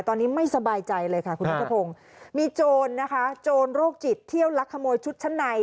ตอนนี้ไม่สบายใจเลยค่ะคุณนัทพงศ์มีโจรนะคะโจรโรคจิตเที่ยวลักขโมยชุดชั้นใน